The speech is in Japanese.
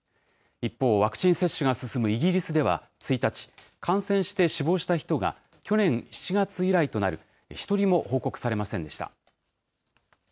一方、ワクチン接種が進むイギリスでは、１日、感染して死亡した人が、去年７月以来となる、１人も報告されませんでした。